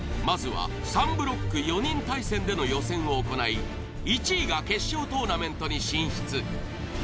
まずは３ブロック４人対戦での予選を行い１位が決勝トーナメントに進出。